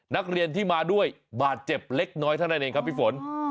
นักเรียนที่มาด้วยบาดเจ็บเล็กน้อยเท่านั้นเองครับพี่ฝน